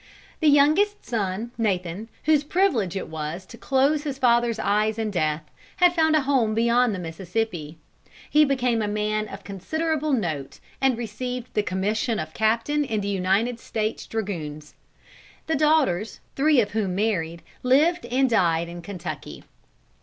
The youngest son, Nathan, whose privilege it was to close his father's eyes in death, had found a home beyond the Mississippi; he became a man of considerable note, and received the commission of Captain in the United States Dragoons. The daughters, three of whom married, lived and died in Kentucky.